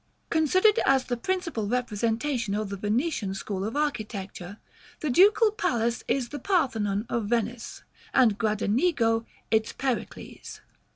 Considered as the principal representation of the Venetian school of architecture, the Ducal Palace is the Parthenon of Venice, and Gradenigo its Pericles.